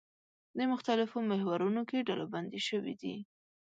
د مختلفو محورونو کې ډلبندي شوي دي.